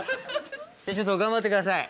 ちょっと頑張ってください